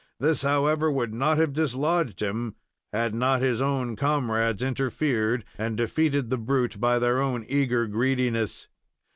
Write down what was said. This, however, would not have dislodged him, had not his own comrades interfered, and defeated the brute by their own eager greediness.